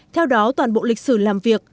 theo đó toàn bộ lịch sử làm việc